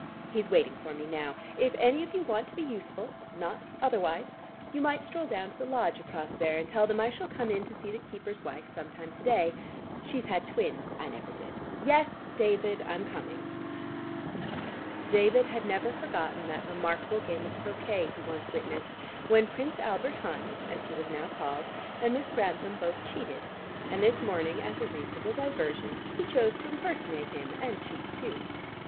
He's waiting for me now. If any of you want to be useful not otherwise you might stroll down to the lodge across there, and tell them I shall come in to see the keeper's wife sometime to day. She's had twins. I never did. Yes, David, I'm coming." David had never forgotten that remarkable game of croquet he once witnessed when Prince Albert Hun, as he was now called, and Miss Grantham both cheated, and this morning as a reasonable diversion, he chose to impersonate him and cheat too.